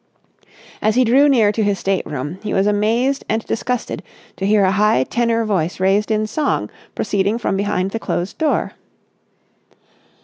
As he drew near to his state room, he was amazed and disgusted to hear a high tenor voice raised in song proceeding from behind the closed door.